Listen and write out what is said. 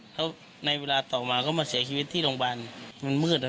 แล้วในเวลาต่อมาก็มาเสียชีวิตที่โรงพยาบาลมันมืด